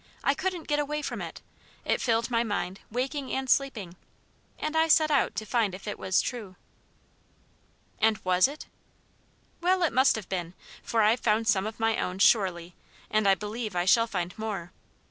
I couldn't get away from it; it filled my mind, waking and asleep. And I set out to find if it was true." "And was it?" "Well, it must have been. For I've found some of my own, surely, and I believe I shall find more.